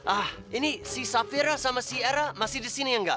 ah ini si safira sama si era masih di sini ya nggak